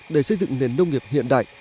để xây dựng nền nông nghiệp hiện đại